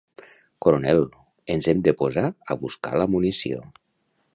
Coronel, ens hem de posar a buscar la munició.